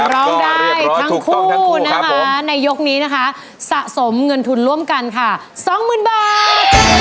ร้องได้ทั้งคู่นะคะในยกนี้นะคะสะสมเงินทุนร่วมกันค่ะสองหมื่นบาท